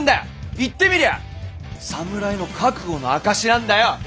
言ってみりゃ侍の覚悟の証しなんだよ！